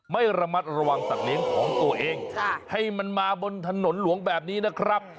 ไม่ระมัดระวังสัตว์เลี้ยงของตัวเองให้มันมาบนถนนหลวงแบบนี้นะครับ